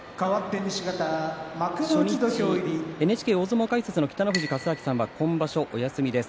初日ＮＨＫ大相撲解説の北の富士勝昭さんは今場所お休みです。